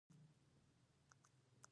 مړه ته د صدقې دوامداره مرسته پکار ده